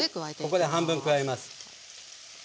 はいここで半分加えます。